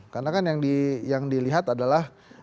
karena kan yang dilihat adalah